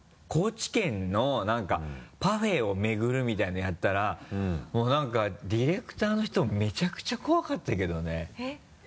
高知県の何かパフェを巡るみたいなのやったらもう何かディレクターの人めちゃくちゃ怖かったけどね。